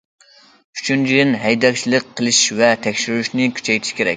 ئۈچىنچىدىن، ھەيدەكچىلىك قىلىش ۋە تەكشۈرۈشنى كۈچەيتىش كېرەك.